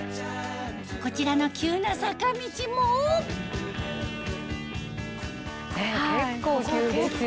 こちらの急な坂道も結構急ですよ。